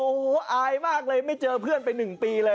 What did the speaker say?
โอ้โหอายมากเลยไม่เจอเพื่อนไป๑ปีเลย